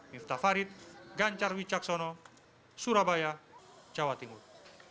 miftah farid gancar wijaksono surabaya jawa tinggi